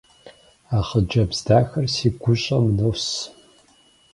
А хъыджэбз дахэр си гущӏэм нос.